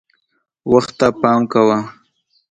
وخت ته پام کوه .